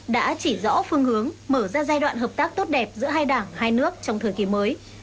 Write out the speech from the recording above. đã chỉ rõ phương hướng mở ra giai đoạn hợp tác tốt đẹp giữa hai đảng hai nước trong thời kỳ mới